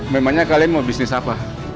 memangnya kalian mau bisnis apa